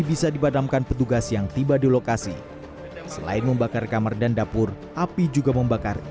bisa dibadamkan petugas yang tiba di lokasi selain membakar kamar dan dapur api juga membakar